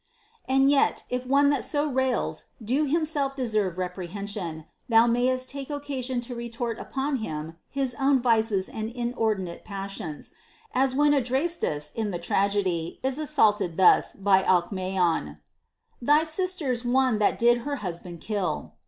And yet, if one that so rails do himself deserve reprehen sion, thou mayst take occasion to retort upon him his own vices and inordinate passions ; as when Adrastus in the tragedy is assaulted thus by Alcmaeon, Thy sister's one that did her husband kill, * II.